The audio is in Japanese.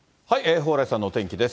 蓬莱さんのお天気です。